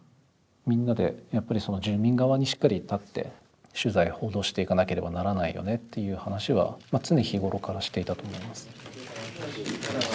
みんなでやっぱり住民側にしっかり立って取材報道していかなければならないよねっていう話は常日頃からしていたと思います。